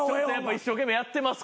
一生懸命やってますから。